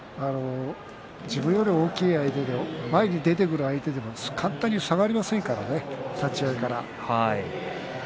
自分より大きい相手にも簡単に下がりませんからね立ち合いから。